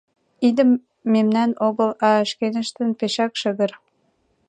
Идым мемнан огыл, а шкеныштын пешак шыгыр.